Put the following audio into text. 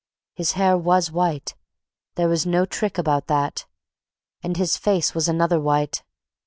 His hair was white; there was no trick about that; and his face was another white.